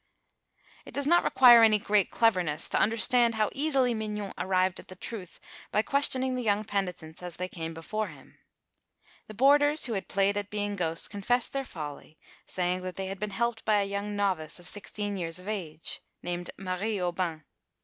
It does not require any great cleverness to understand how easily Mignon arrived at the truth by questioning the young penitents as they came before him. The boarders who had played at being ghosts confessed their folly, saying that they had been helped by a young novice of sixteen years of age, named Marie Aubin.